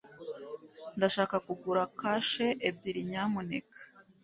ndashaka kugura kashe ebyiri, nyamuneka